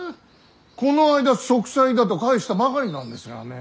こないだ息災だと返したばかりなんですがね。